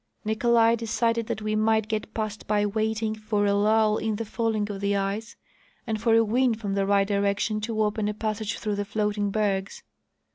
Nicolai decided that we might get past by waiting for a lull in the fall ing of the ice and for a wind from the right direction to open a passage through the floating bergs.